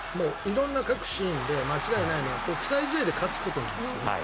色んな各シーンで間違いないのは国際試合で勝つことなんですね。